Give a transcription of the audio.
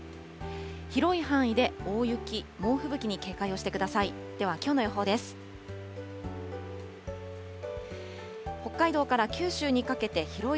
広い範囲で大雪・猛吹雪に警戒をしてください。